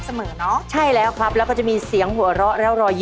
ก็มาแล้วเขาเป็นคนดังอยู่เลย